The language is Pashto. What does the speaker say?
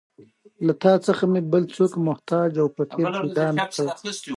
له تا څخه مې بل څوک محتاج او فقیر پیدا نه کړ.